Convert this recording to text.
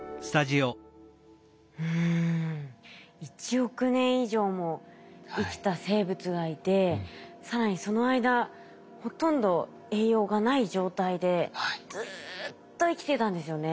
１億年以上も生きた生物がいて更にその間ほとんど栄養がない状態でずっと生きてたんですよね。